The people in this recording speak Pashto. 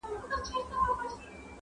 o خبري ډېري دي، سر ئې يو دئ٫